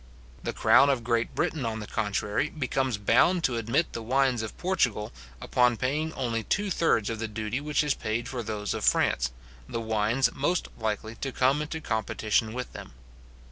The crown of Great Britain, on the contrary, becomes bound to admit the wines of Portugal, upon paying only two thirds of the duty which is paid for those of France, the wines most likely to come into competition with them.